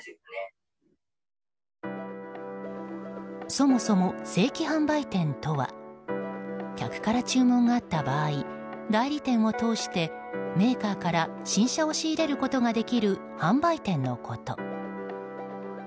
そもそも正規販売店とは客から注文があった場合代理店を通して、メーカーから新車を仕入れることができる販売店のこと。